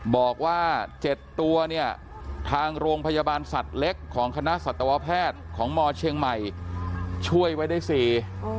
บอกว่าเจ็ดตัวเนี่ยทางโรงพยาบาลสัตว์เล็กของคณะสัตวแพทย์ของมเชียงใหม่ช่วยไว้ได้สี่